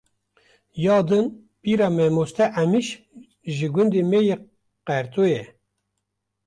Ya din pîra mamoste Êmiş ji gundê me yê Qerto ye